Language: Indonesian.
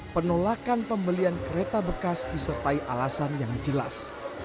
penolakan pembelian kereta bekas disertai alasan yang jelas